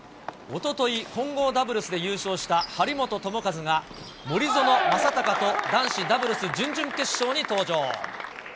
おととい、混合ダブルスで優勝した、張本智和が森薗政崇と男子ダブルス準々決勝に登場。